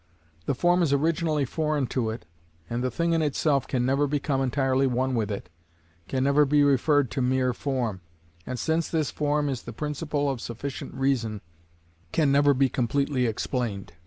The form is originally foreign to it, and the thing in itself can never become entirely one with it, can never be referred to mere form, and, since this form is the principle of sufficient reason, can never be completely explained.